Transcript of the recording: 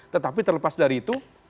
tetapi terlepas dari itu